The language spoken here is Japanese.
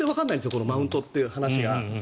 このマウントっていう話が。